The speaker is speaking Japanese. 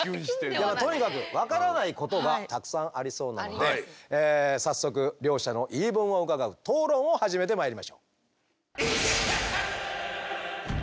とにかく分からないことがたくさんありそうなので早速両者の言い分を伺う討論を始めてまいりましょう。